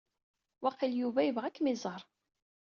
Waqila Yuba ibɣa ad akem-iẓer.